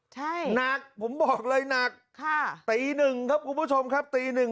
ใช่หนักผมบอกเลยหนักค่ะตีหนึ่งครับคุณผู้ชมครับตีหนึ่ง